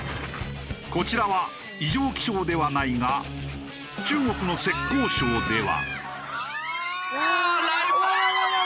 こちらは異常気象ではないが中国の浙江省では。